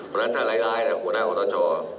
เพราะฉะนั้นถ้าร้ายหัวหน้าคอสช